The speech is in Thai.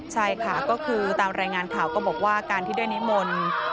ใช่ค่ะก็คือตามรายงานข่าวก็บอกว่าการที่ได้นิมนต์